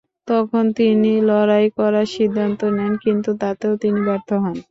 তখন তিনি লড়াই করার সিদ্ধান্ত নেন কিন্তু তাতেও তিনি ব্যর্থ হন।